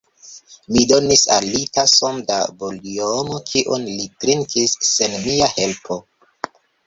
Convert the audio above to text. Mi donis al li tason da buljono, kiun li trinkis sen mia helpo.